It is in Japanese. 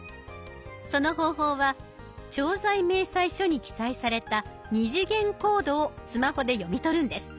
その方法は調剤明細書に記載された二次元コードをスマホで読み取るんです。